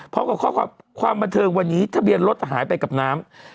เนี่ยเพราะว่าความบันเทิงวันนี้ทะเบียนรถหายไปกับน้ำ